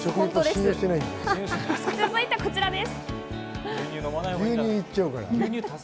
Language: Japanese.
続いてはこちらです。